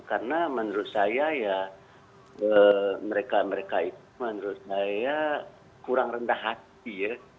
karena menurut saya mereka mereka itu menurut saya kurang rendah hati